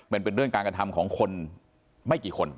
มันเป็นเรื่องการกระทำของคนไม่กี่คน